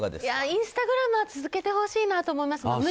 インスタグラムは続けてほしいなと思いますね。